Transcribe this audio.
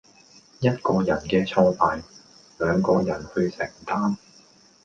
一個人嘅挫敗，兩個人去承擔